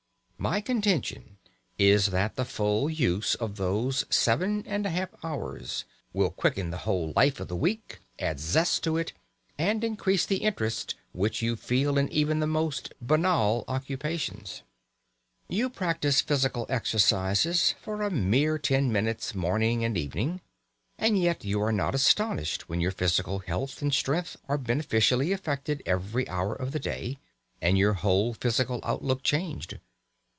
My contention is that the full use of those seven and a half hours will quicken the whole life of the week, add zest to it, and increase the interest which you feel in even the most banal occupations. You practise physical exercises for a mere ten minutes morning and evening, and yet you are not astonished when your physical health and strength are beneficially affected every hour of the day, and your whole physical outlook changed.